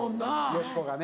よしこがね。